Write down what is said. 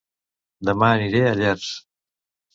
Dema aniré a Llers